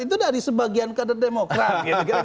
itu dari sebagian kader demokrat